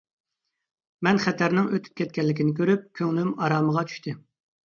مەن خەتەرنىڭ ئۆتۈپ كەتكەنلىكىنى كۆرۈپ كۆڭلۈم ئارامىغا چۈشتى.